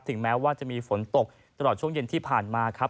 แม้ว่าจะมีฝนตกตลอดช่วงเย็นที่ผ่านมาครับ